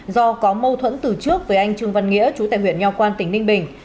do có mâu thuẫn từ trước với anh trương văn nghĩa chú tại huyện nho quan tỉnh ninh bình